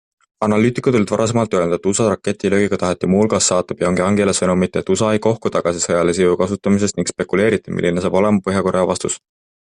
Analüütikud olid varasemalt öelnud, et USA raketilöögiga taheti muu hulgas saata Pyongyangile sõnumit, et USA ei kohku tagasi sõjalise jõu kasutamisest ning spekuleeriti, milline saab olema Põhja-Korea vastus.